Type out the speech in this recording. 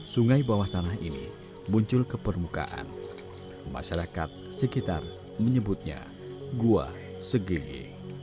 sungai bawah tanah ini muncul ke permukaan masyarakat sekitar menyebutnya gua sege